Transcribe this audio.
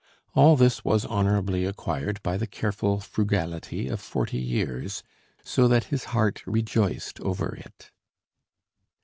All this was honourably acquired by the careful frugality of forty years, so that his heart rejoiced over it.